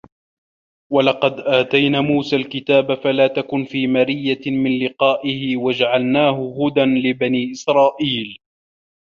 وَلَقَد آتَينا موسَى الكِتابَ فَلا تَكُن في مِريَةٍ مِن لِقائِهِ وَجَعَلناهُ هُدًى لِبَني إِسرائيلَ